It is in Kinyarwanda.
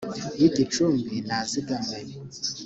y igicumbi n azigamwe